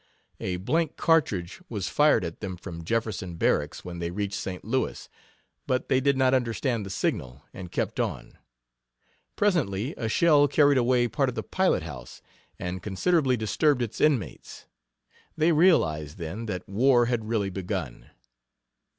A blank cartridge was fired at them from Jefferson Barracks when they reached St. Louis, but they did not understand the signal, and kept on. Presently a shell carried away part of the pilot house and considerably disturbed its inmates. They realized, then, that war had really begun.